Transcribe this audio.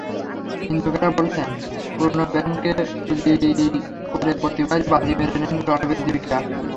নিন্দুকেরা বলছেন, পুরোনো প্রেমকে পুঁজি করে প্রতিবারই বাজি মেরে নেন রণবীর-দীপিকা।